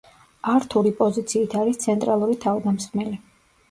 ართური პოზიციით არის ცენტრალური თავდამსხმელი.